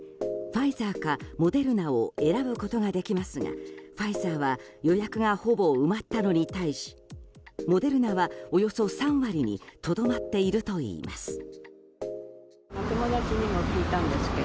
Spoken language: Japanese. ファイザーかモデルナを選ぶことができますがファイザーは予約がほぼ埋まったのに対しモデルナは、およそ３割にとどまっているといいます。